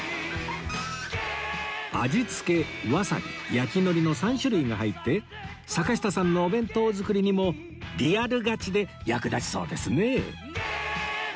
味付けわさび焼き海苔の３種類が入って坂下さんのお弁当作りにもリアルガチで役立ちそうですね